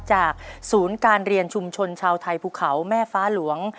ศูนย์การเรียนชุมชนชาวไทยภูเขาแม่ฟ้าหลวง